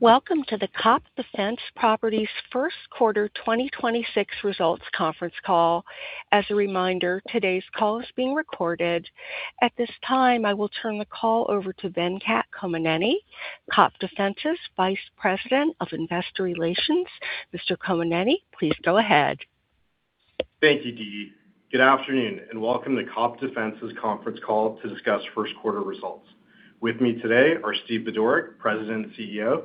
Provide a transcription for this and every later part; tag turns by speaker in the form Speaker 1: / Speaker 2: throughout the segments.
Speaker 1: Welcome to the COPT Defense Properties first quarter 2026 results conference call. As a reminder, today's call is being recorded. At this time, I will turn the call over to Venkat Kommineni, COPT Defense's Vice President of Investor Relations. Mr. Kommineni, please go ahead.
Speaker 2: Thank you, Dee. Good afternoon, and welcome to COPT Defense's conference call to discuss first quarter results. With me today are Steve Budorick, President and CEO;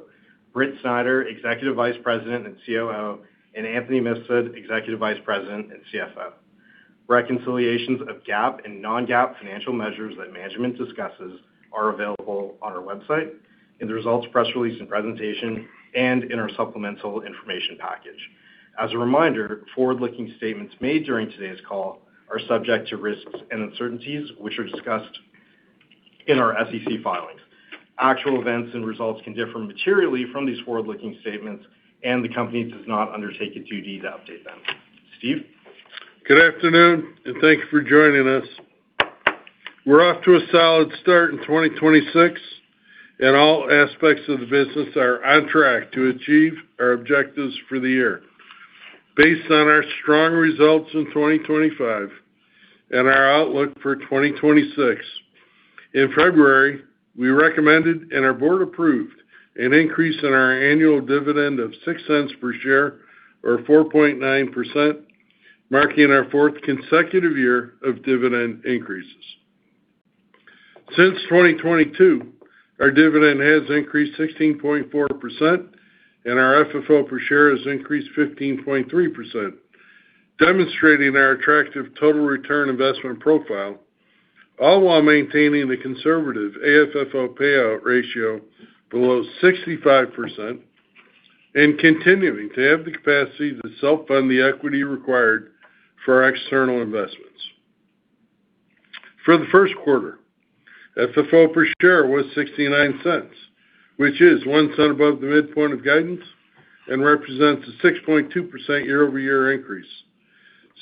Speaker 2: Britt A. Snider, Executive Vice President and COO; and Anthony Mifsud, Executive Vice President and CFO. Reconciliations of GAAP and non-GAAP financial measures that management discusses are available on our website in the results press release and presentation and in our supplemental information package. As a reminder, forward-looking statements made during today's call are subject to risks and uncertainties, which are discussed in our SEC filings. Actual events and results can differ materially from these forward-looking statements, and the company does not undertake a duty to update them. Steve.
Speaker 3: Good afternoon and thank you for joining us. We're off to a solid start in 2026, and all aspects of the business are on track to achieve our objectives for the year. Based on our strong results in 2025 and our outlook for 2026, in February, we recommended and our board approved an increase in our annual dividend of $0.06 per share or 4.9%, marking our fourth consecutive year of dividend increases. Since 2022, our dividend has increased 16.4%, and our FFO per share has increased 15.3%, demonstrating our attractive total return investment profile, all while maintaining the conservative AFFO payout ratio below 65% and continuing to have the capacity to self-fund the equity required for our external investments. For the first quarter, FFO per share was $0.69, which is $0.01 above the midpoint of guidance and represents a 6.2% year-over-year increase.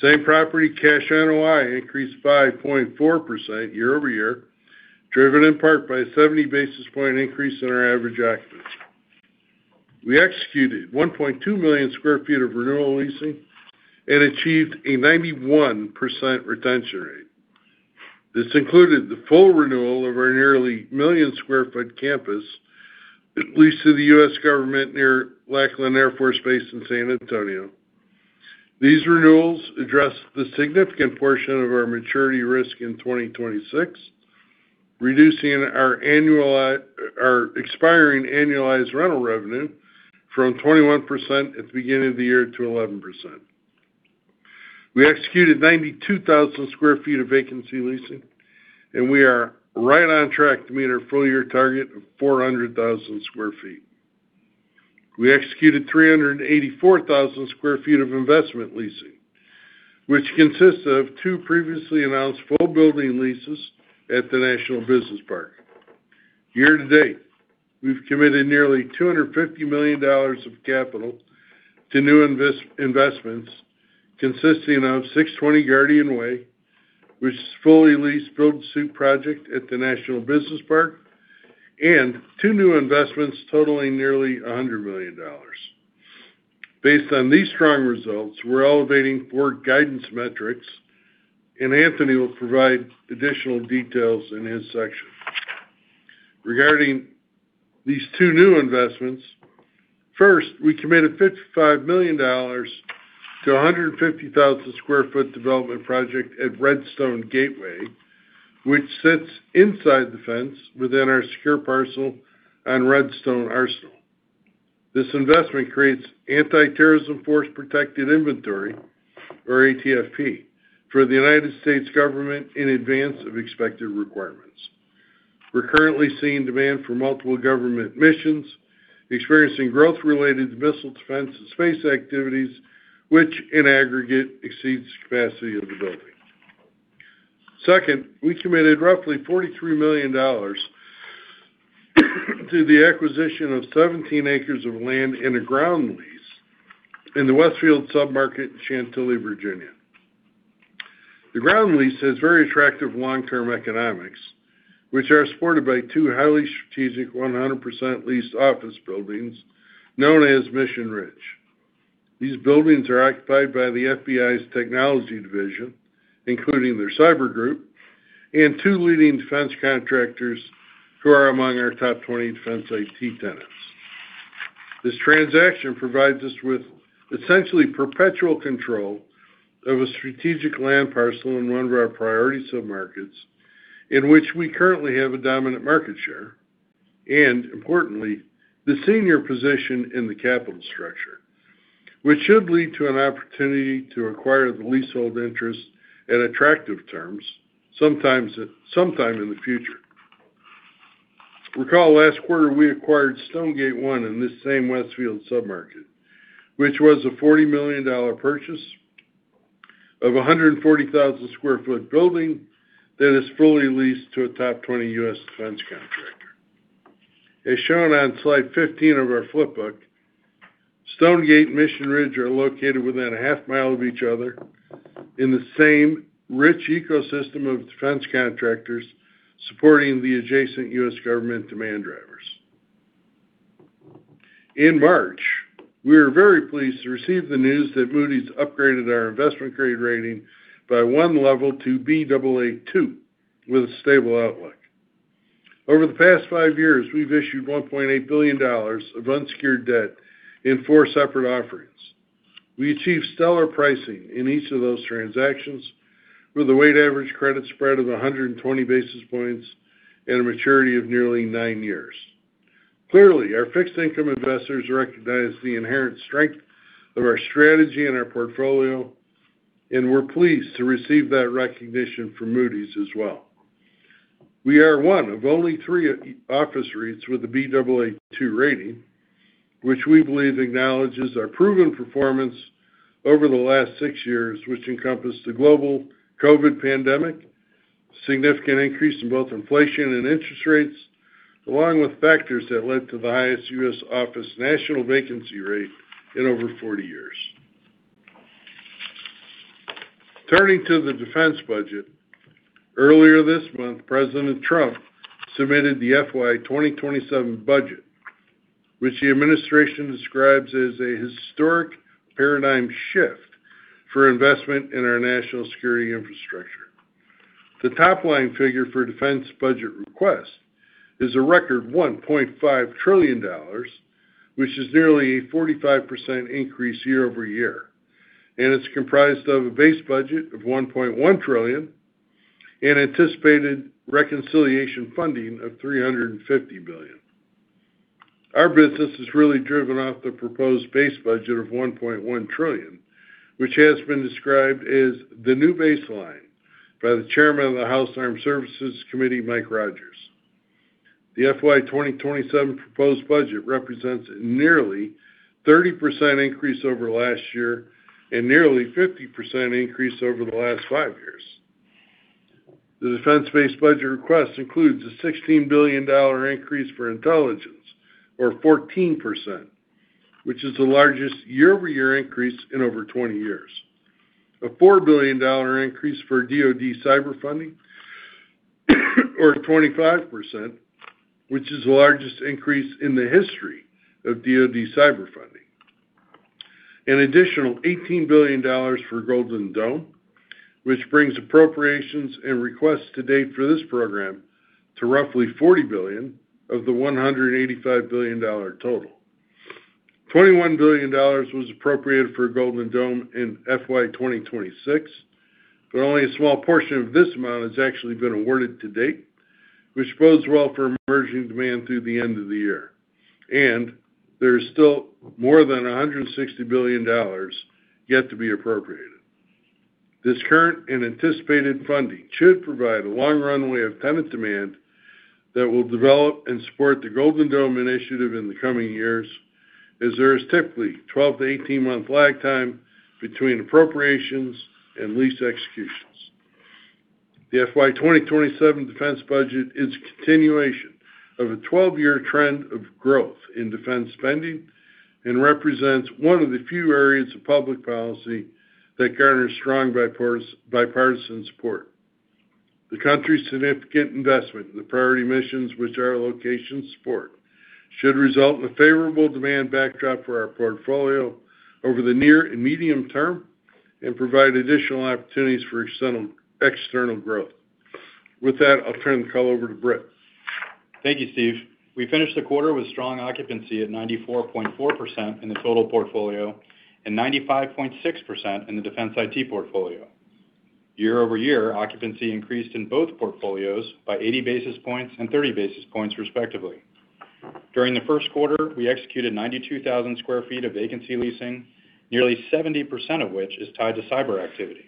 Speaker 3: Same-Property Cash NOI increased 5.4% year-over-year, driven in part by a 70 basis point increase in our average occupancy. We executed 1.2 million sq ft of renewal leasing and achieved a 91% retention rate. This included the full renewal of our nearly 1 million sq ft campus leased to the U.S. government near Lackland Air Force Base in San Antonio. These renewals address the significant portion of our maturity risk in 2026, reducing our expiring annualized rental revenue from 21% at the beginning of the year to 11%. We executed 92,000 square feet of vacancy leasing, and we are right on track to meet our full year target of 400,000 square feet. We executed 384,000 square feet of investment leasing, which consists of two previously announced full building leases at the National Business Park. Year to date, we've committed nearly $250 million of capital to new investments consisting of 620 Guardian Way, which is a fully leased build-to-suit project at the National Business Park, and two new investments totaling nearly $100 million. Based on these strong results, we're elevating four guidance metrics, and Anthony will provide additional details in his section. Regarding these two new investments, first, we committed $55 million to a 150,000 sq ft development project at Redstone Gateway, which sits inside the fence within our secure parcel on Redstone Arsenal. This investment creates Anti-Terrorism Force Protected inventory or ATFP for the U.S. government in advance of expected requirements. We're currently seeing demand for multiple government missions, experiencing growth related to missile defense and space activities, which in aggregate exceeds capacity of the building. Second, we committed roughly $43 million to the acquisition of 17 acres of land and a ground lease in the Westfield submarket in Chantilly, Virginia. The ground lease has very attractive long-term economics, which are supported by two highly strategic 100% leased office buildings known as Mission Ridge. These buildings are occupied by the FBI's technology division, including their cyber group and two leading defense contractors who are among our top 20 defense IT tenants. This transaction provides us with essentially perpetual control of a strategic land parcel in one of our priority submarkets in which we currently have a dominant market share, and importantly, the senior position in the capital structure, which should lead to an opportunity to acquire the leasehold interest at attractive terms sometime in the future. Recall last quarter, we acquired Stonegate One in this same Westfield submarket, which was a $40 million purchase of a 140,000 sq ft building that is fully leased to a top 20 U.S. defense contractor. As shown on slide 15 of our flip book. Stonegate and Mission Ridge are located within a half mile of each other in the same rich ecosystem of defense contractors supporting the adjacent U.S. government demand drivers. In March, we were very pleased to receive the news that Moody's upgraded our investment grade rating by one level to Baa2 with a stable outlook. Over the past five years, we've issued $1.8 billion of unsecured debt in four separate offerings. We achieved stellar pricing in each of those transactions with a weighted average credit spread of 120 basis points and a maturity of nearly nine years. Clearly, our fixed income investors recognize the inherent strength of our strategy and our portfolio, and we're pleased to receive that recognition from Moody's as well. We are one of only three office REITs with a Baa2 rating, which we believe acknowledges our proven performance over the last six years, which encompassed the global COVID pandemic, significant increase in both inflation and interest rates, along with factors that led to the highest U.S. office national vacancy rate in over 40 years. Turning to the defense budget. Earlier this month, President Trump submitted the FY 2027 budget, which the administration describes as a historic paradigm shift for investment in our national security infrastructure. The top-line figure for defense budget request is a record $1.5 trillion, which is nearly a 45% increase year over year, and it's comprised of a base budget of $1.1 trillion and anticipated reconciliation funding of $350 billion. Our business is really driven off the proposed base budget of $1.1 trillion, which has been described as the new baseline by the Chairman of the House Armed Services Committee, Mike Rogers. The FY 2027 proposed budget represents a nearly 30% increase over last year and nearly 50% increase over the last five years. The defense-based budget request includes a $16 billion increase for intelligence or 14%, which is the largest year-over-year increase in over 20 years. A $4 billion increase for DoD cyber funding, or 25%, which is the largest increase in the history of DoD cyber funding. An additional $18 billion for Golden Dome, which brings appropriations and requests to date for this program to roughly $40 billion of the $185 billion total. $21 billion was appropriated for Golden Dome in FY 2026, but only a small portion of this amount has actually been awarded to date, which bodes well for emerging demand through the end of the year. There is still more than $160 billion yet to be appropriated. This current and anticipated funding should provide a long runway of tenant demand that will develop and support the Golden Dome initiative in the coming years, as there is typically 12-18 month lag time between appropriations and lease executions. The FY 2027 defense budget is a continuation of a 12-year trend of growth in defense spending and represents one of the few areas of public policy that garners strong bipartisan support. The country's significant investment in the priority missions which our locations support should result in a favorable demand backdrop for our portfolio over the near and medium term and provide additional opportunities for external growth. With that, I'll turn the call over to Britt.
Speaker 4: Thank you, Steve. We finished the quarter with strong occupancy at 94.4% in the total portfolio and 95.6% in the Defense/IT Portfolio. Year-over-year, occupancy increased in both portfolios by 80 basis points and 30 basis points, respectively. During the first quarter, we executed 92,000 sq ft of vacancy leasing, nearly 70% of which is tied to cyber activity.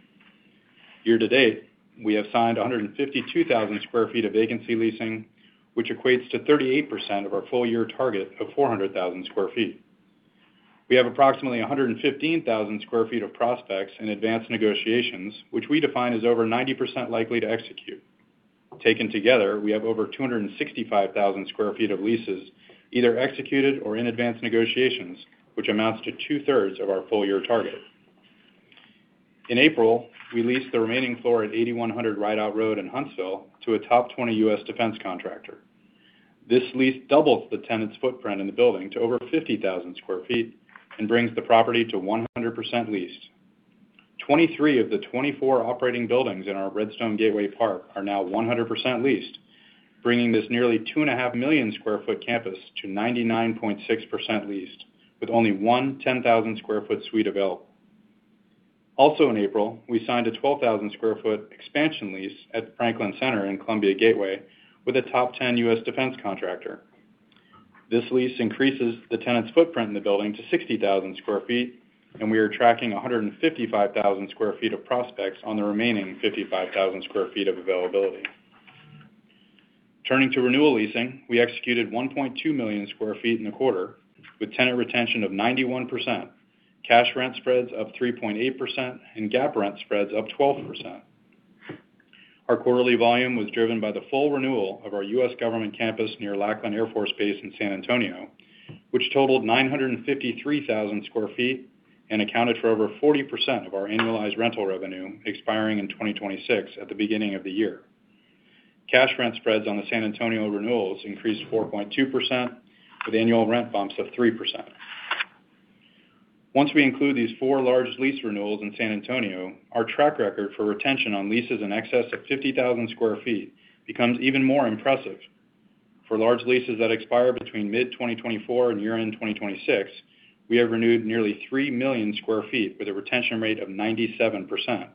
Speaker 4: Year to date, we have signed 152,000 sq ft of vacancy leasing, which equates to 38% of our full year target of 400,000 sq ft. We have approximately 115,000 sq ft of prospects in advanced negotiations, which we define as over 90% likely to execute. Taken together, we have over 265,000 square feet of leases either executed or in advanced negotiations, which amounts to two-thirds of our full year target. In April, we leased the remaining floor at 8100 Rideout Road in Huntsville to a top 20 U.S. defense contractor. This lease doubles the tenant's footprint in the building to over 50,000 square feet and brings the property to 100% leased. 23 of the 24 operating buildings in our Redstone Gateway Park are now 100% leased, bringing this nearly 2.5 million square foot campus to 99.6% leased with only 1 10,000 square foot suite available. In April, we signed a 12,000 square foot expansion lease at Franklin Center in Columbia Gateway with a top 10 U.S. defense contractor. This lease increases the tenant's footprint in the building to 60,000 square feet, and we are tracking 155,000 square feet of prospects on the remaining 55,000 square feet of availability. Turning to renewal leasing, we executed 1.2 million square feet in the quarter with tenant retention of 91%, cash rent spreads up 3.8%, and GAAP rent spreads up 12%. Our quarterly volume was driven by the full renewal of our U.S. government campus near Lackland Air Force Base in San Antonio, which totaled 953,000 square feet and accounted for over 40% of our annualized rental revenue expiring in 2026 at the beginning of the year. Cash rent spreads on the San Antonio renewals increased 4.2%, with annual rent bumps of 3%. Once we include these four large lease renewals in San Antonio, our track record for retention on leases in excess of 50,000 square feet becomes even more impressive. For large leases that expire between mid-2024 and year-end 2026, we have renewed nearly 3 million square feet with a retention rate of 97%.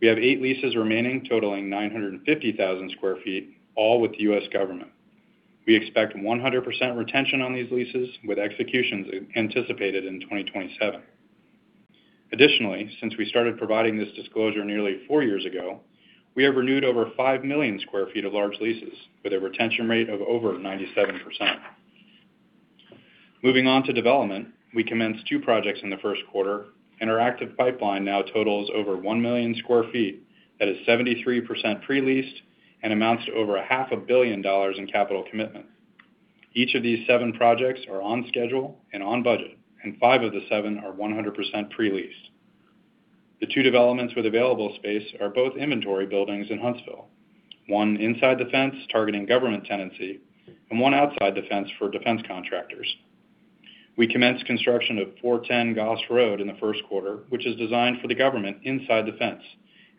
Speaker 4: We have eight leases remaining, totaling 950,000 square feet, all with U.S. government. We expect 100% retention on these leases, with executions anticipated in 2027. Additionally, since we started providing this disclosure nearly four years ago, we have renewed over 5 million square feet of large leases with a retention rate of over 97%. Moving on to development, we commenced two projects in the first quarter. Our active pipeline now totals over 1 million sq ft that is 73% pre-leased and amounts to over a half a billion dollars in capital commitment. Each of these seven projects are on schedule and on budget. five of the seven are 100% pre-leased. The two developments with available space are both inventory buildings in Huntsville, one inside the fence targeting government tenancy and one outside the fence for defense contractors. We commenced construction of 410 Goss Road in the first quarter, which is designed for the government inside the fence.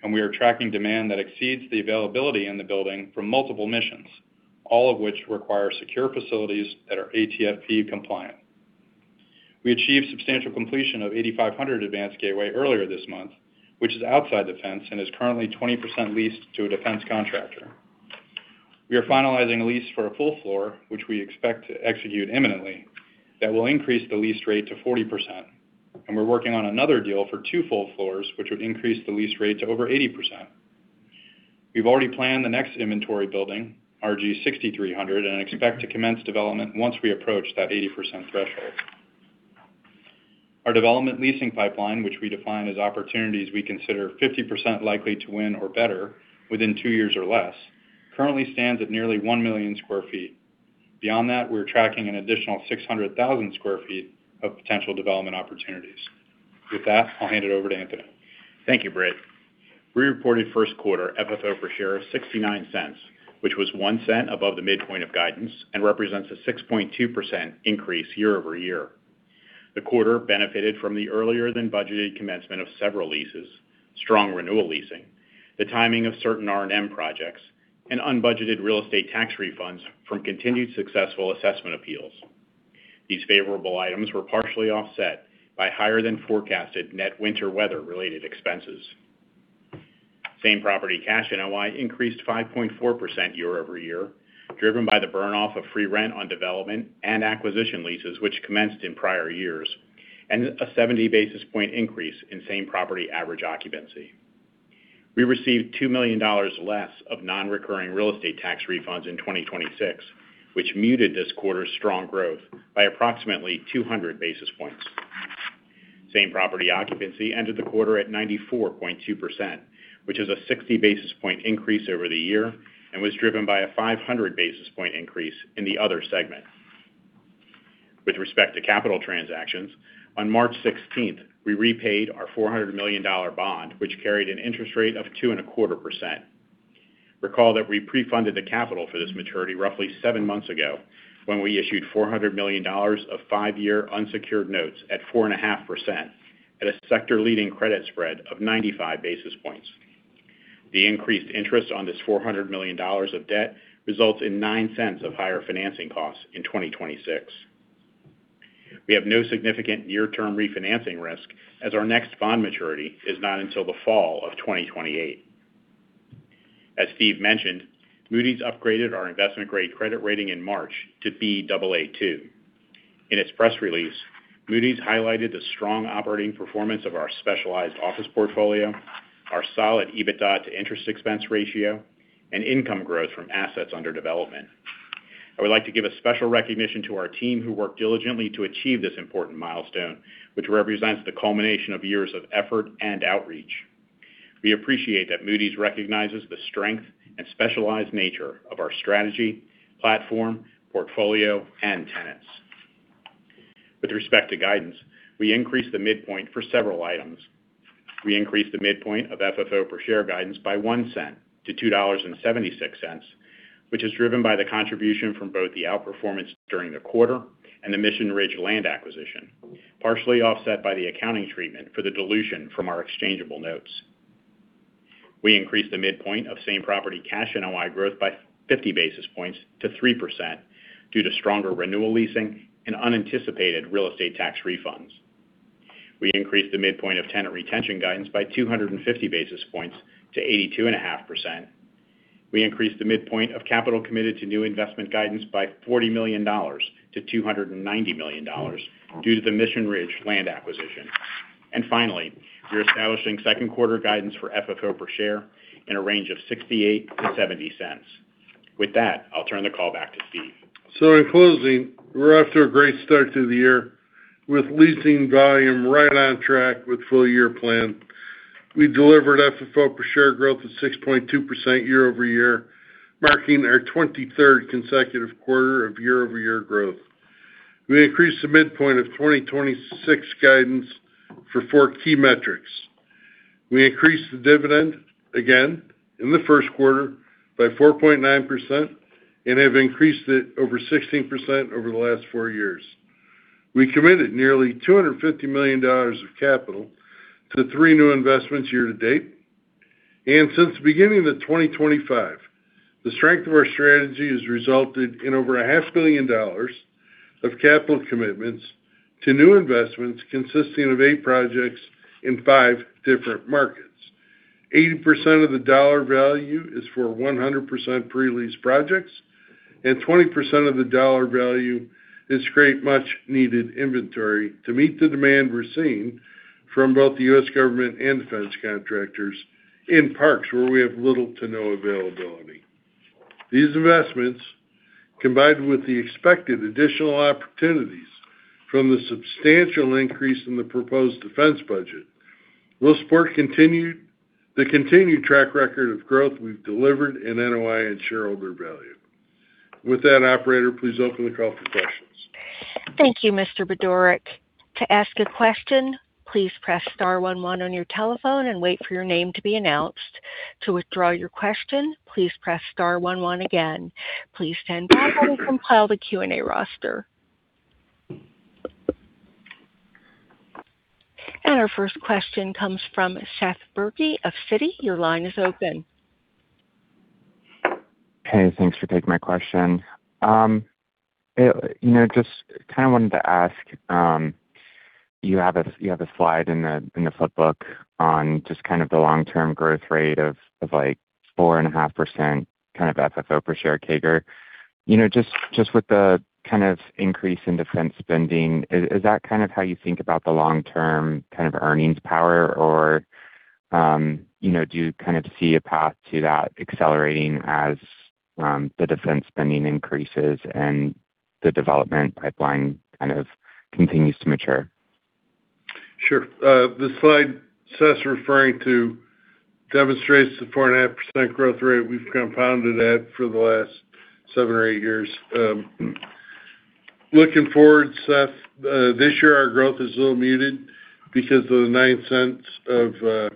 Speaker 4: We are tracking demand that exceeds the availability in the building from multiple missions, all of which require secure facilities that are ATFP compliant. We achieved substantial completion of 8500 Advanced Gateway earlier this month, which is outside the fence and is currently 20% leased to a defense contractor. We are finalizing a lease for a full floor, which we expect to execute imminently. That will increase the lease rate to 40%, and we're working on another deal for two full floors, which would increase the lease rate to over 80%. We've already planned the next inventory building, RG 6300, and expect to commence development once we approach that 80% threshold. Our development leasing pipeline, which we define as opportunities we consider 50% likely to win or better within two years or less, currently stands at nearly 1 million sq ft. Beyond that, we're tracking an additional 600,000 sq ft of potential development opportunities. With that, I'll hand it over to Anthony.
Speaker 5: Thank you, Britt. We reported first quarter FFO per share of $0.69, which was $0.01 above the midpoint of guidance and represents a 6.2% increase year-over-year. The quarter benefited from the earlier than budgeted commencement of several leases, strong renewal leasing, the timing of certain R&M projects, and unbudgeted real estate tax refunds from continued successful assessment appeals. These favorable items were partially offset by higher than forecasted net winter weather-related expenses. Same-Property Cash NOI increased 5.4% year-over-year, driven by the burn-off of free rent on development and acquisition leases, which commenced in prior years, and a 70-basis point increase in same property average occupancy. We received $2 million less of non-recurring real estate tax refunds in 2026, which muted this quarter's strong growth by approximately 200 basis points. Same-property occupancy ended the quarter at 94.2%, which is a 60-basis point increase over the year and was driven by a 500-basis point increase in the other segment. With respect to capital transactions, on March 16th, we repaid our $400 million bond, which carried an interest rate of 2.25%. Recall that we pre-funded the capital for this maturity roughly seven months ago when we issued $400 million of five-year unsecured notes at 4.5% at a sector-leading credit spread of 95 basis points. The increased interest on this $400 million of debt results in $0.09 of higher financing costs in 2026. We have no significant near-term refinancing risk as our next bond maturity is not until the fall of 2028. As Steve mentioned, Moody's upgraded our investment-grade credit rating in March to Baa2. In its press release, Moody's highlighted the strong operating performance of our specialized office portfolio, our solid EBITDA to interest expense ratio, and income growth from assets under development. I would like to give a special recognition to our team who worked diligently to achieve this important milestone, which represents the culmination of years of effort and outreach. We appreciate that Moody's recognizes the strength and specialized nature of our strategy, platform, portfolio, and tenants. With respect to guidance, we increased the midpoint for several items. We increased the midpoint of FFO per share guidance by $0.01 to $2.76, which is driven by the contribution from both the outperformance during the quarter and the Mission Ridge land acquisition, partially offset by the accounting treatment for the dilution from our exchangeable notes. We increased the midpoint of Same-Property Cash NOI growth by 50 basis points to 3% due to stronger renewal leasing and unanticipated real estate tax refunds. We increased the midpoint of tenant retention guidance by 250 basis points to 82.5%. We increased the midpoint of capital committed to new investment guidance by $40 million to $290 million due to the Mission Ridge land acquisition. Finally, we're establishing second quarter guidance for FFO per share in a range of $0.68-$0.70. With that, I'll turn the call back to Steve.
Speaker 3: In closing, we are off to a great start to the year with leasing volume right on track with full year plan. We delivered FFO per share growth of 6.2% year-over-year, marking our 23rd consecutive quarter of year-over-year growth. We increased the midpoint of 2026 guidance for four key metrics. We increased the dividend again in the first quarter by 4.9% and have increased it over 16% over the last four years. We committed nearly $250 million of capital to three new investments year to date. Since the beginning of 2025, the strength of our strategy has resulted in over a half billion dollars of capital commitments to new investments consisting of eight projects in five different markets. 80% of the dollar value is for 100% pre-leased projects, and 20% of the dollar value is create much needed inventory to meet the demand we're seeing from both the U.S. government and defense contractors in parks where we have little to no availability. These investments, combined with the expected additional opportunities from the substantial increase in the proposed defense budget, will support the continued track record of growth we've delivered in NOI and shareholder value. With that, operator, please open the call for questions.
Speaker 1: Thank you, Mr. Budorick. To ask a question, please press star one one on your telephone and wait for your name to be announced. To withdraw your question, please press star one one again. Please stand by while we compile the Q&A roster. Our first question comes from Seth Bergey of Citi. Your line is open.
Speaker 6: Hey, thanks for taking my question. You know, just kind of wanted to ask, you have a slide in the flip book on just kind of the long-term growth rate of like 4.5% kind of FFO per share CAGR. You know, just with the kind of increase in defense spending, is that kind of how you think about the long-term kind of earnings power or, you know, do you kind of see a path to that accelerating as the defense spending increases and the development pipeline kind of continues to mature?
Speaker 3: Sure. The slide Seth's referring to demonstrates the 4.5% growth rate we've compounded at for the last seven or eight years. Looking forward, Seth, this year our growth is a little muted because of the $0.09 of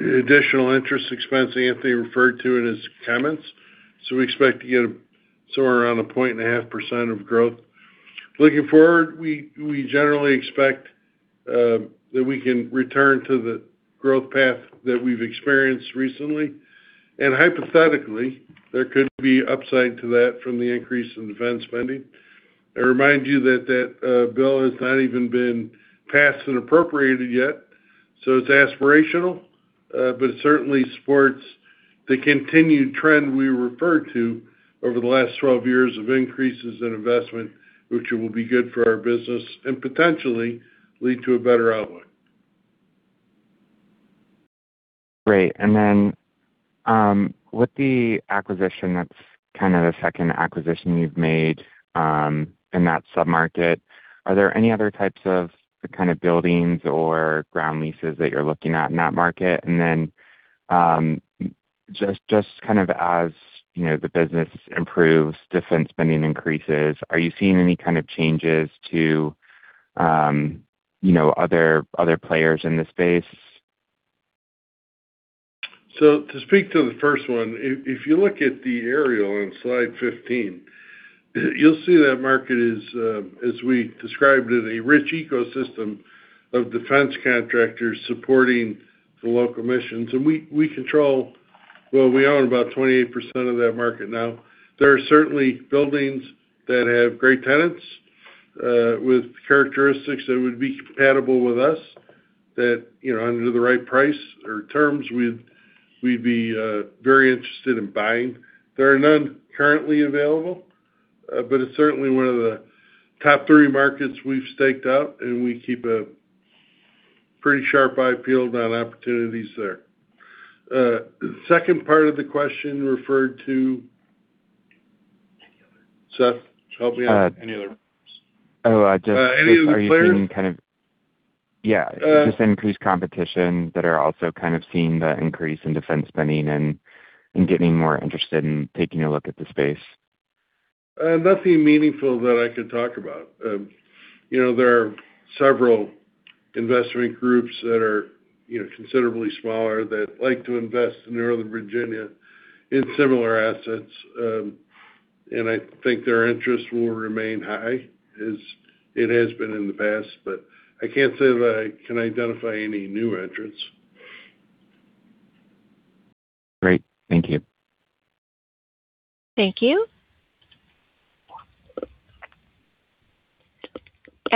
Speaker 3: additional interest expense Anthony referred to in his comments. We expect to get somewhere around a 1.5% of growth. Looking forward, we generally expect that we can return to the growth path that we've experienced recently. Hypothetically, there could be upside to that from the increase in defense spending. I remind you that bill has not even been passed and appropriated yet, it's aspirational. It certainly supports the continued trend we referred to over the last 12 years of increases in investment, which will be good for our business and potentially lead to a better outlook.
Speaker 6: Great. With the acquisition, that's kind of the second acquisition you've made in that sub-market. Are there any other types of kind of buildings or ground leases that you're looking at in that market? Just kind of as, you know, the business improves, defense spending increases, are you seeing any kind of changes to, you know, other players in the space?
Speaker 3: To speak to the first one, if you look at the aerial on Slide 15, you'll see that market is, as we described it, a rich ecosystem of defense contractors supporting the local missions. Well, we own about 28% of that market now. There are certainly buildings that have great tenants, with characteristics that would be compatible with us that, you know, under the right price or terms, we'd be very interested in buying. There are none currently available, but it's certainly one of the Top three markets we've staked out, and we keep a pretty sharp eye peeled on opportunities there. Second part of the question referred to. Seth, help me out. Any other questions?
Speaker 6: Oh.
Speaker 3: Any of the players?
Speaker 6: Are you seeing kind of? Yeah.
Speaker 3: Uh.
Speaker 6: Just increased competition that are also kind of seeing the increase in defense spending and getting more interested in taking a look at the space.
Speaker 3: Nothing meaningful that I could talk about. You know, there are several investment groups that are, you know, considerably smaller that like to invest in Northern Virginia in similar assets. I think their interest will remain high as it has been in the past. I can't say that I can identify any new entrants.
Speaker 6: Great. Thank you.
Speaker 1: Thank you.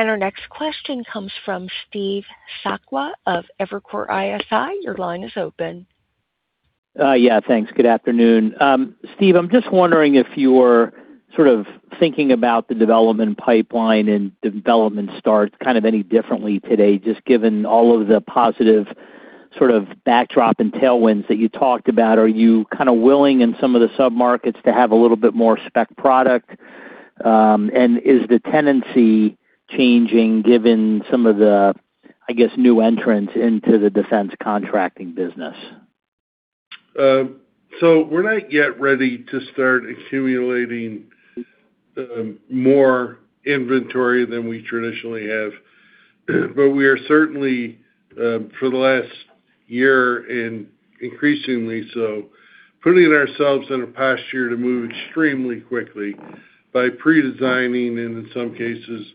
Speaker 1: Our next question comes from Steve Sakwa of Evercore ISI. Your line is open.
Speaker 7: Yeah, thanks. Good afternoon. Steve, I'm just wondering if you're sort of thinking about the development pipeline and development start kind of any differently today, just given all of the positive sort of backdrop and tailwinds that you talked about. Are you kind of willing in some of the sub-markets to have a little bit more spec product? Is the tenancy changing given some of the, I guess, new entrants into the defense contracting business?
Speaker 3: We're not yet ready to start accumulating more inventory than we traditionally have. But we are certainly, for the last year and increasingly so, putting ourselves in a posture to move extremely quickly by pre-designing and, in some cases,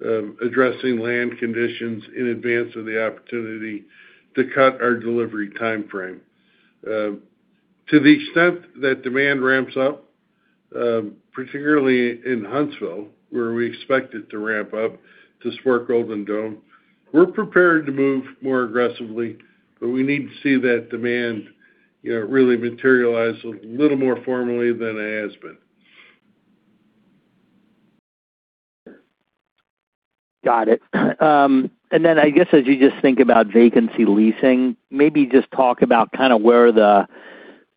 Speaker 3: addressing land conditions in advance of the opportunity to cut our delivery timeframe. To the extent that demand ramps up, particularly in Huntsville, where we expect it to ramp up to support Golden Dome, we're prepared to move more aggressively, but we need to see that demand, you know, really materialize a little more formally than it has been.
Speaker 7: Got it. I guess as you just think about vacancy leasing, maybe just talk about kind of where the,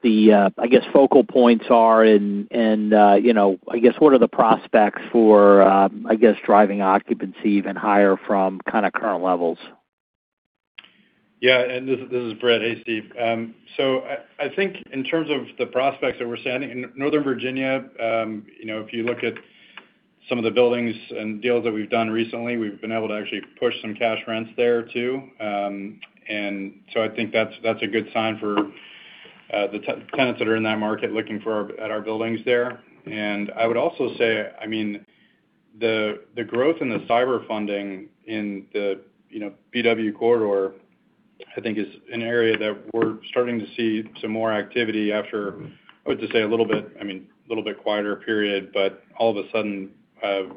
Speaker 7: I guess, focal points are and, you know, I guess, what are the prospects for, I guess, driving occupancy even higher from kind of current levels?
Speaker 4: Yeah. This is Britt. Hey, Steve. I think in terms of the prospects that we're seeing in Northern Virginia, you know, if you look at some of the buildings and deals that we've done recently, we've been able to actually push some cash rents there too. I think that's a good sign for the tenants that are in that market looking at our buildings there. I would also say, the growth in the cyber funding in the, you know, BW Corridor, I think is an area that we're starting to see some more activity after, I would just say a little bit quieter period, all of a sudden,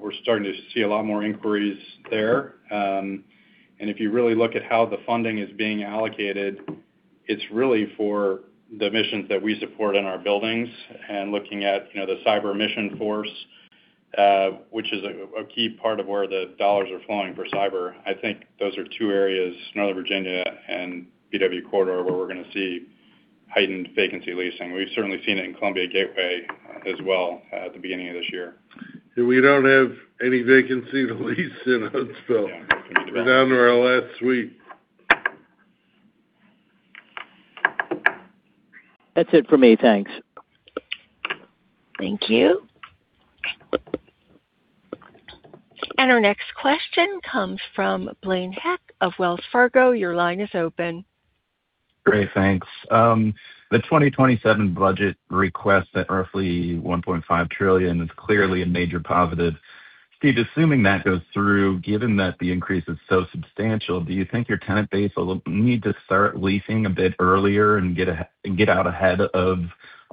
Speaker 4: we're starting to see a lot more inquiries there. If you really look at how the funding is being allocated, it's really for the missions that we support in our buildings. Looking at, you know, the Cyber Mission Force, which is a key part of where the dollars are flowing for cyber. I think those are two areas, Northern Virginia and BW Corridor, where we're gonna see heightened vacancy leasing. We've certainly seen it in Columbia Gateway as well, at the beginning of this year.
Speaker 3: We don't have any vacancy to lease in Huntsville. We're down to our last suite.
Speaker 7: That's it for me. Thanks.
Speaker 1: Thank you. Our next question comes from Blaine Heck of Wells Fargo. Your line is open.
Speaker 8: Great. Thanks. The 2027 budget request at roughly $1.5 trillion is clearly a major positive. Steve, assuming that goes through, given that the increase is so substantial, do you think your tenant base will need to start leasing a bit earlier and get out ahead of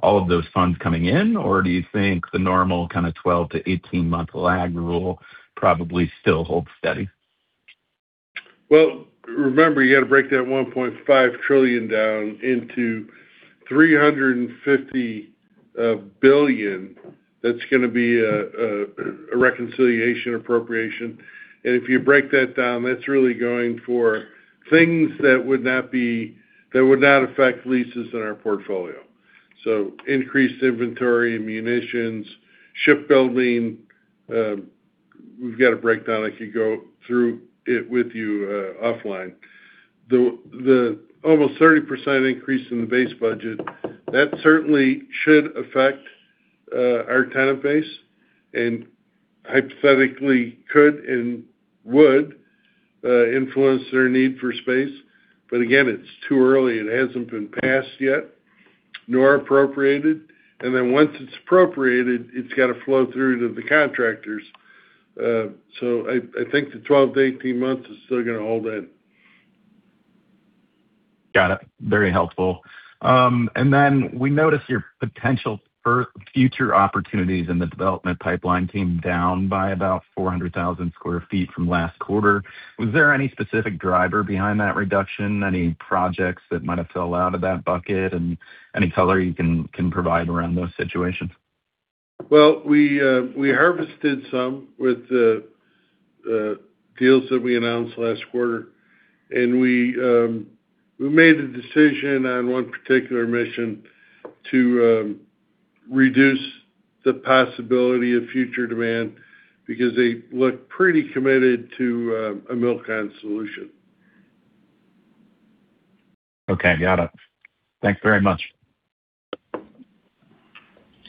Speaker 8: all of those funds coming in? Or do you think the normal kind of 12-18-month lag rule probably still holds steady?
Speaker 3: Well, remember, you gotta break that $1.5 trillion down into $350 billion. That's gonna be a reconciliation appropriation. If you break that down, that's really going for things that would not affect leases in our portfolio. Increased inventory, ammunitions, shipbuilding. We've got a breakdown. I could go through it with you offline. The almost 30% increase in the base budget, that certainly should affect our tenant base and hypothetically could and would influence their need for space. Again, it's too early. It hasn't been passed yet, nor appropriated. Once it's appropriated, it's gotta flow through to the contractors. I think the 12 months-18 months is still gonna hold in.
Speaker 8: Got it. Very helpful. We noticed your potential future opportunities in the development pipeline came down by about 400,000 sq ft from last quarter. Was there any specific driver behind that reduction? Any projects that might have fell out of that bucket? Any color you can provide around those situations?
Speaker 3: Well, we harvested some with the deals that we announced last quarter, and we made a decision on one particular mission to reduce the possibility of future demand because they look pretty committed to a MILCON solution.
Speaker 8: Okay. Got it. Thanks very much.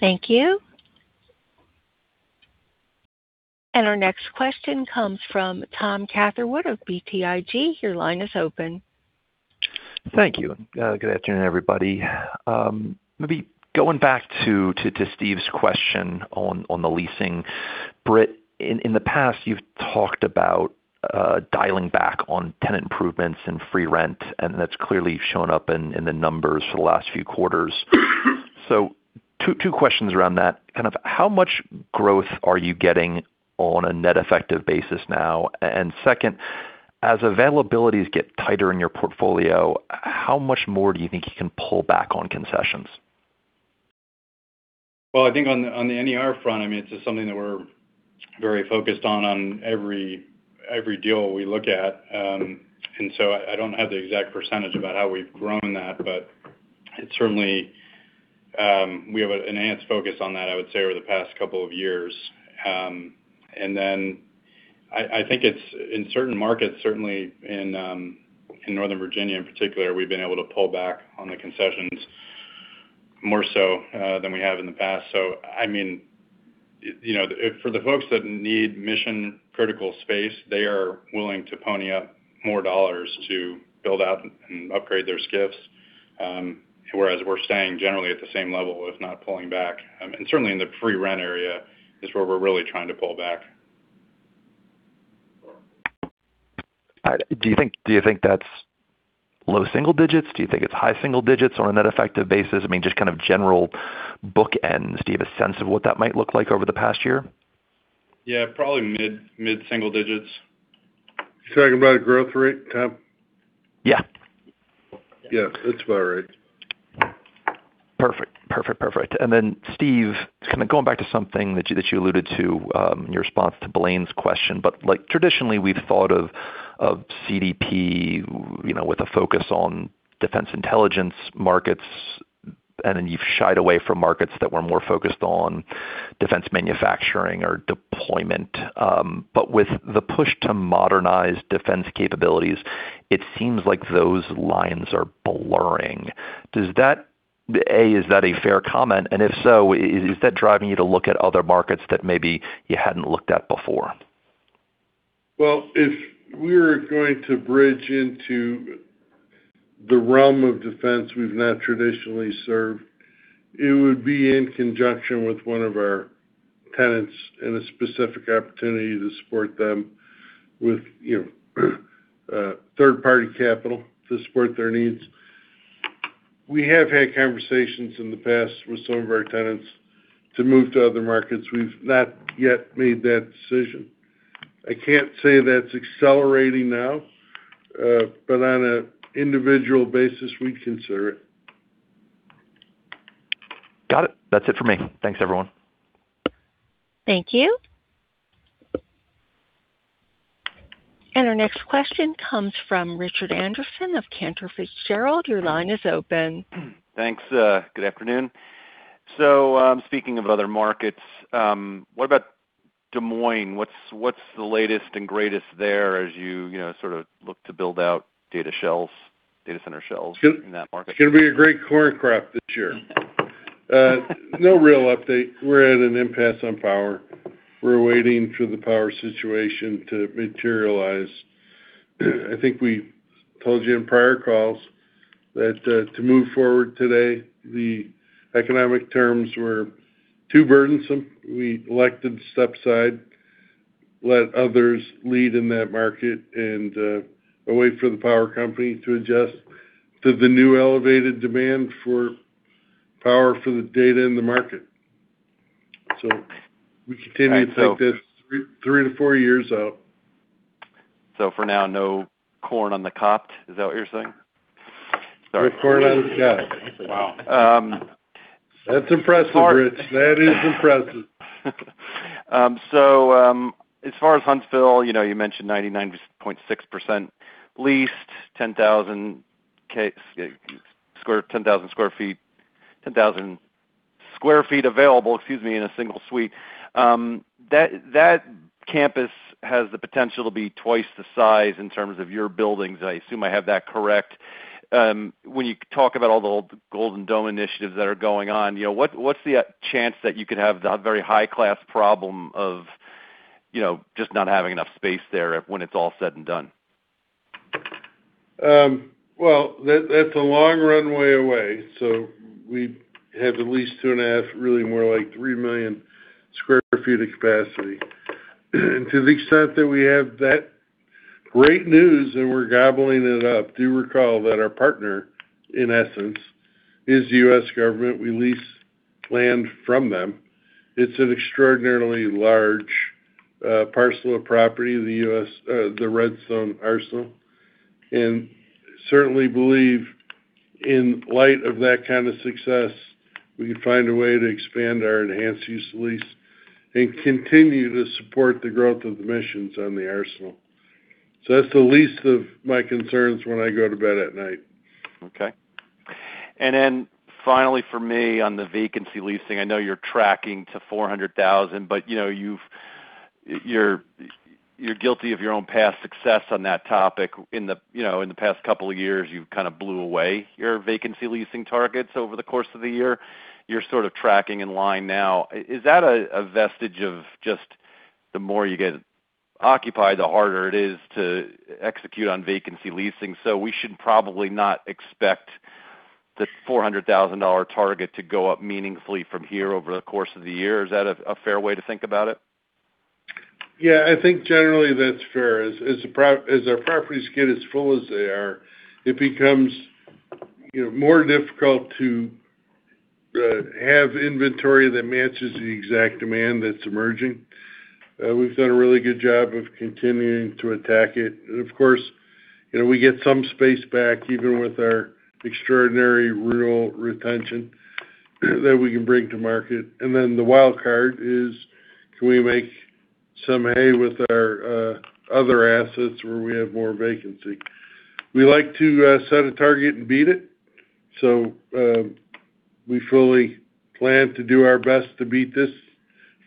Speaker 1: Thank you. Our next question comes from Tom Catherwood of BTIG. Your line is open.
Speaker 9: Thank you. Good afternoon, everybody. Maybe going back to Steve's question on the leasing. Britt, in the past, you've talked about dialing back on tenant improvements and free rent, and that's clearly shown up in the numbers for the last few quarters. Two questions around that. Kind of how much growth are you getting on a net effective basis now? Second, as availabilities get tighter in your portfolio, how much more do you think you can pull back on concessions?
Speaker 4: Well, I think on the NER front, I mean, it's just something that we're very focused on every deal we look at. I don't have the exact percentage about how we've grown that, but it certainly we have an enhanced focus on that, I would say, over the past couple of years. Then I think it's in certain markets, certainly in Northern Virginia in particular, we've been able to pull back on the concessions more so than we have in the past. I mean, you know, for the folks that need mission-critical space, they are willing to pony up more dollars to build out and upgrade their SCIFs, whereas we're staying generally at the same level, if not pulling back. Certainly in the pre-rent area is where we're really trying to pull back.
Speaker 9: All right. Do you think that's low single digits? Do you think it's high single digits on a net effective basis? I mean, just kind of general bookends. Do you have a sense of what that might look like over the past year?
Speaker 4: Yeah, probably mid single digits.
Speaker 3: Talking about a growth rate, Tom?
Speaker 9: Yeah.
Speaker 3: Yeah, that's about right.
Speaker 9: Perfect. Perfect, perfect. Then, Steve, kind of going back to something that you, that you alluded to, in your response to Blaine's question, but like traditionally, we've thought of CDP, you know, with a focus on defense intelligence markets, and then you've shied away from markets that were more focused on defense manufacturing or deployment. With the push to modernize defense capabilities, it seems like those lines are blurring. A, is that a fair comment? If so, is that driving you to look at other markets that maybe you hadn't looked at before?
Speaker 3: Well, if we're going to bridge into the realm of defense we've not traditionally served, it would be in conjunction with one of our tenants in a specific opportunity to support them with, you know, third-party capital to support their needs. We have had conversations in the past with some of our tenants to move to other markets. We've not yet made that decision. On a individual basis, we consider it.
Speaker 9: Got it. That's it for me. Thanks, everyone.
Speaker 1: Thank you. Our next question comes from Richard Anderson of Cantor Fitzgerald. Your line is open.
Speaker 10: Thanks. Good afternoon. Speaking of other markets, what about Des Moines? What's the latest and greatest there as you know, sort of look to build out data center shells in that market?
Speaker 3: It's gonna be a great corn crop this year. No real update. We're at an impasse on power. We're waiting for the power situation to materialize. I think we told you in prior calls that to move forward today, the economic terms were too burdensome. We elected to step aside, let others lead in that market and wait for the power company to adjust to the new elevated demand for power for the data in the market. We continue.
Speaker 10: All right.
Speaker 3: to think that three to four years out.
Speaker 10: For now, no corn on the cob. Is that what you're saying? Sorry.
Speaker 3: No corn on the cob.
Speaker 10: Wow.
Speaker 3: That's impressive, Rich.
Speaker 10: All right.
Speaker 3: That is impressive.
Speaker 10: As far as Huntsville, you know, you mentioned 99.6% leased, 10,000 square feet available, excuse me, in a single suite. That campus has the potential to be twice the size in terms of your buildings. I assume I have that correct. When you talk about all the Golden Dome initiatives that are going on, you know, what's the chance that you could have the very high-class problem of, you know, just not having enough space there when it's all said and done?
Speaker 3: Well, that's a long runway away, so we have at least 2.5, really more like 3 million square feet of capacity. To the extent that we have that great news and we're gobbling it up, do recall that our partner, in essence, is the U.S. government. We lease land from them. It's an extraordinarily large parcel of property, the U.S., the Redstone Arsenal, and certainly believe in light of that kind of success, we could find a way to expand or enhance lease and continue to support the growth of the missions on the arsenal. That's the least of my concerns when I go to bed at night.
Speaker 10: Okay. Finally for me on the vacancy leasing, I know you're tracking to $400,000, you know, you're guilty of your own past success on that topic. In the, you know, in the past couple of years, you've kind of blew away your vacancy leasing targets over the course of the year. You're sort of tracking in line now. Is that a vestige of just the more you get occupied, the harder it is to execute on vacancy leasing, we should probably not expect the $400,000 target to go up meaningfully from here over the course of the year? Is that a fair way to think about it?
Speaker 3: Yeah. I think generally that's fair. As our properties get as full as they are, it becomes, you know, more difficult to have inventory that matches the exact demand that's emerging. We've done a really good job of continuing to attack it. Of course, you know, we get some space back even with our extraordinary renewal retention that we can bring to market. Then the wild card is, can we make some hay with our other assets where we have more vacancy? We like to set a target and beat it. We fully plan to do our best to beat this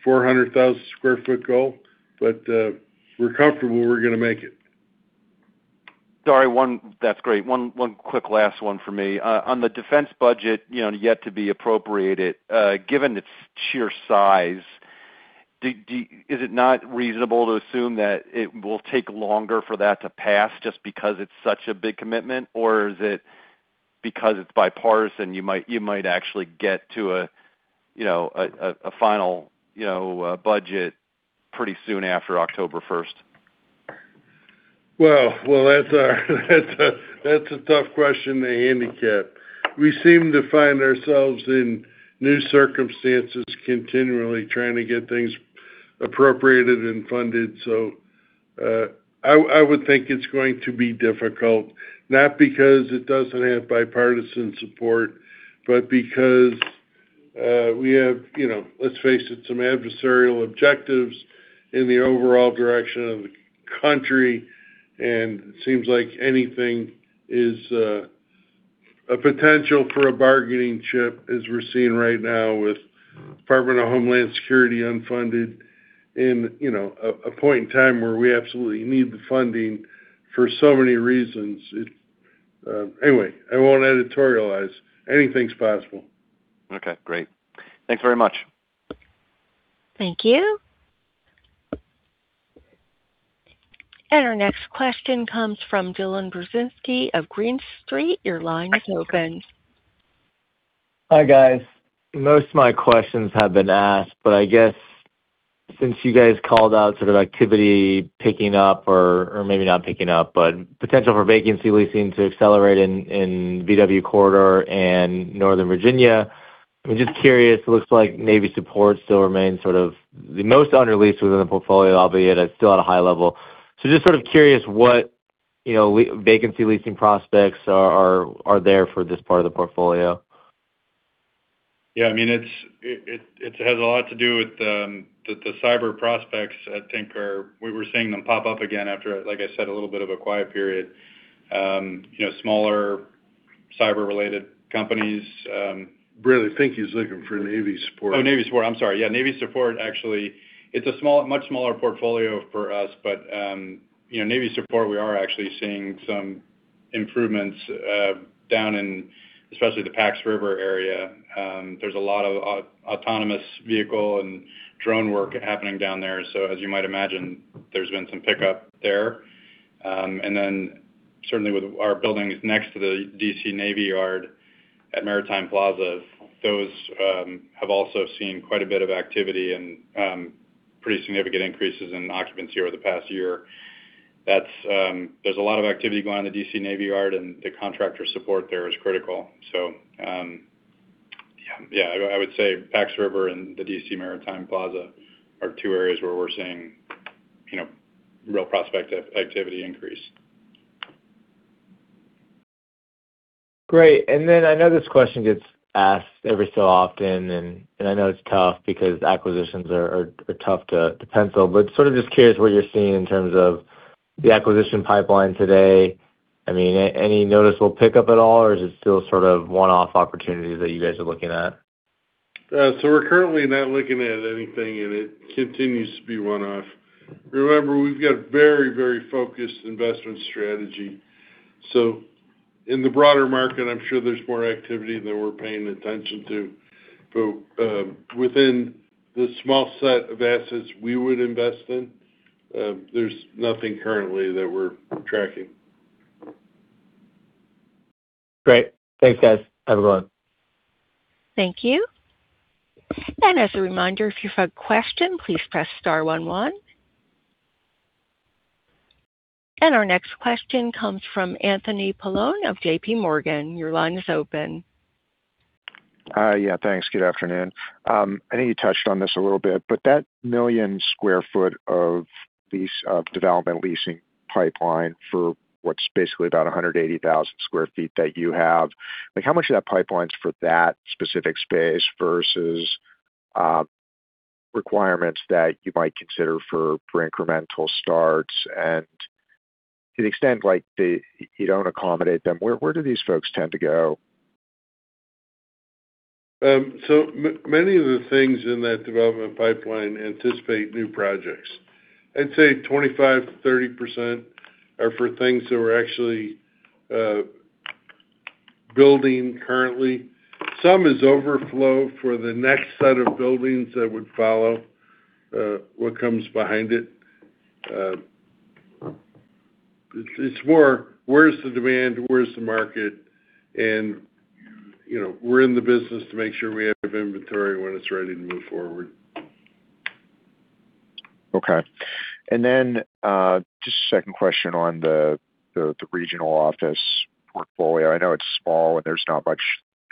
Speaker 3: 400,000 square foot goal, but we're comfortable we're gonna make it.
Speaker 10: That's great. One quick last one for me. On the defense budget, you know, yet to be appropriated, given its sheer size, is it not reasonable to assume that it will take longer for that to pass just because it's such a big commitment? Is it because it's bipartisan, you might actually get to a, you know, a final budget pretty soon after October first?
Speaker 3: Well, that's a tough question to handicap. We seem to find ourselves in new circumstances continually trying to get things appropriated and funded. I would think it's going to be difficult, not because it doesn't have bipartisan support, but because we have, you know, let's face it, some adversarial objectives in the overall direction of the country, and it seems like anything is a potential for a bargaining chip, as we're seeing right now with Department of Homeland Security unfunded and, you know, a point in time where we absolutely need the funding for so many reasons. Anyway, I won't editorialize. Anything's possible.
Speaker 10: Okay, great. Thanks very much.
Speaker 1: Thank you. Our next question comes from Dylan Burzinski of Green Street. Your line is open.
Speaker 11: Hi, guys. Most of my questions have been asked. I guess since you guys called out sort of activity picking up or maybe not picking up, but potential for vacancy leasing to accelerate in BW Corridor and Northern Virginia. I'm just curious, looks like Navy support still remains sort of the most under leased within the portfolio, albeit it's still at a high level. Just sort of curious what, you know, vacancy leasing prospects are there for this part of the portfolio.
Speaker 4: Yeah, I mean, it has a lot to do with the cyber prospects, I think. We were seeing them pop up again after, like I said, a little bit of a quiet period. You know, smaller cyber-related companies.
Speaker 3: Really think he's looking for Navy support.
Speaker 4: Navy support. I'm sorry. Navy support, actually, it's a much smaller portfolio for us, but, you know, Navy support, we are actually seeing some improvements down in especially the Pax River area. There's a lot of autonomous vehicle and drone work happening down there. As you might imagine, there's been some pickup there. Certainly with our buildings next to the DC Navy Yard at Maritime Plaza, those have also seen quite a bit of activity and pretty significant increases in occupancy over the past year. There's a lot of activity going on in the DC Navy Yard, the contractor support there is critical. I would say Pax River and the DC Maritime Plaza are two areas where we're seeing, you know, real prospect activity increase.
Speaker 11: Great. Then I know this question gets asked every so often, and I know it's tough because acquisitions are tough to pencil, but sort of just curious what you're seeing in terms of the acquisition pipeline today. I mean, any noticeable pickup at all, or is it still sort of one-off opportunities that you guys are looking at?
Speaker 3: We're currently not looking at anything, and it continues to be one-off. Remember, we've got very, very focused investment strategy. In the broader market, I'm sure there's more activity than we're paying attention to. Within the small set of assets we would invest in, there's nothing currently that we're tracking.
Speaker 11: Great. Thanks, guys. Have a good one.
Speaker 1: Thank you. As a reminder, if you have a question, please press star one one. Our next question comes from Anthony Paolone of J.P. Morgan. Your line is open.
Speaker 12: Yeah, thanks. Good afternoon. I know you touched on this a little bit, but that 1 million square foot of development leasing pipeline for what's basically about 180,000 square feet that you have, how much of that pipeline's for that specific space versus requirements that you might consider for incremental starts? To the extent you don't accommodate them, where do these folks tend to go?
Speaker 3: Many of the things in that development pipeline anticipate new projects. I'd say 25%-30% are for things that we're actually building currently. Some is overflow for the next set of buildings that would follow what comes behind it. It's more, where's the demand, where's the market? You know, we're in the business to make sure we have inventory when it's ready to move forward.
Speaker 12: Okay. Then just a second question on the regional office portfolio. I know it's small and there's not much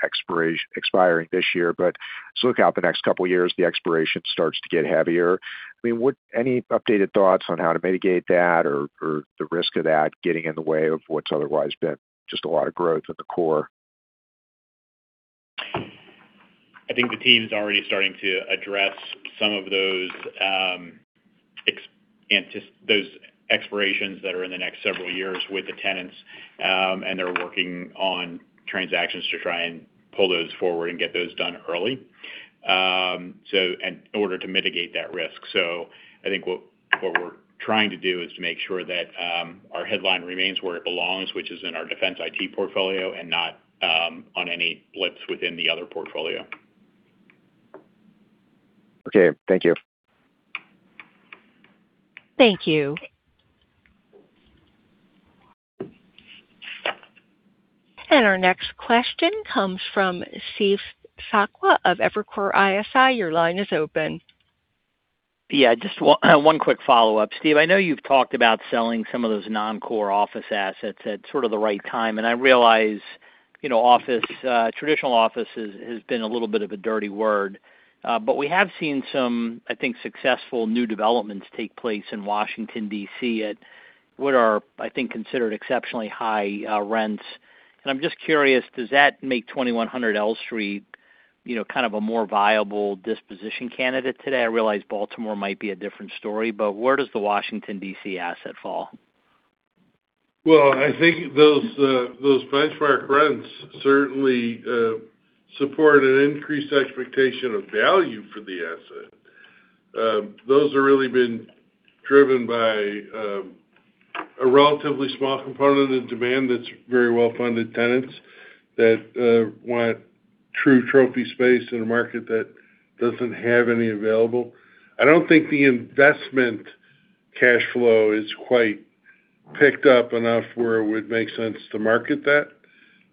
Speaker 12: expiring this year, but as you look out the next couple years, the expiration starts to get heavier. I mean, would any updated thoughts on how to mitigate that or the risk of that getting in the way of what's otherwise been just a lot of growth in the core?
Speaker 5: I think the team's already starting to address some of those expirations that are in the next several years with the tenants. They're working on transactions to try and pull those forward and get those done early. In order to mitigate that risk. I think what we're trying to do is to make sure that our headline remains where it belongs, which is in our Defense/IT Portfolio and not on any blips within the other portfolio.
Speaker 12: Okay. Thank you.
Speaker 1: Thank you. Our next question comes from Steve Sakwa of Evercore ISI. Your line is open.
Speaker 7: Yeah, just one quick follow-up. Steve, I know you've talked about selling some of those non-core office assets at sort of the right time. I realize, you know, office, traditional office has been a little bit of a dirty word. We have seen some, I think, successful new developments take place in Washington, D.C., at what are, I think, considered exceptionally high rents. I'm just curious, does that make 2,100 L Street, you know, kind of a more viable disposition candidate today? I realize Baltimore might be a different story, but where does the Washington, D.C. asset fall?
Speaker 3: I think those benchmark rents certainly support an increased expectation of value for the asset. Those have really been driven by a relatively small component of the demand that's very well-funded tenants that want true trophy space in a market that doesn't have any available. I don't think the investment cash flow is quite picked up enough where it would make sense to market that.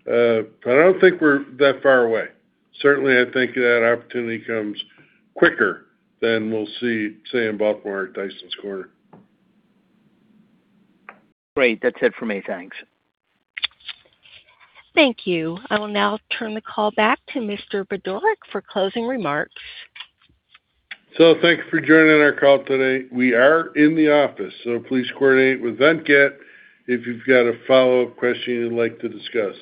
Speaker 3: I don't think we're that far away. I think that opportunity comes quicker than we'll see, say, in Baltimore at Tysons Corner.
Speaker 7: Great. That's it for me. Thanks.
Speaker 1: Thank you. I will now turn the call back to Mr. Budorick for closing remarks.
Speaker 3: Thank you for joining our call today. We are in the office, so please coordinate with Venkat if you've got a follow-up question, you'd like to discuss.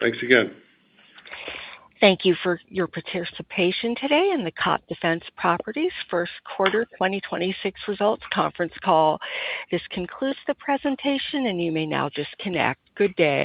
Speaker 3: Thanks again.
Speaker 1: Thank you for your participation today in the COPT Defense Properties first quarter 2026 results conference call. This concludes the presentation, and you may now disconnect. Good day.